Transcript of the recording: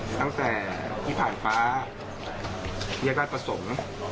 ตั้งแต่ที่ผ่านฟ้าแยกราชประสงค์